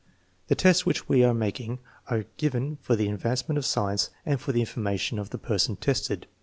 "The tests which we are making are given for the advancement of science and for the information of the person tested.